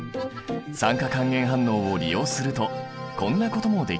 酸化還元反応を利用するとこんなこともできるんだね。